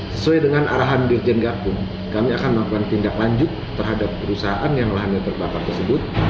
sesuai dengan arahan dirjen gakum kami akan melakukan tindak lanjut terhadap perusahaan yang lahannya terbakar tersebut